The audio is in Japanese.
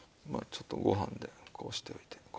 まあちょっとご飯でこうしておいて。